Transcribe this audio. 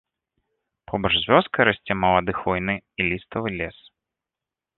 Побач з вёскай расце малады хвойны і ліставы лес.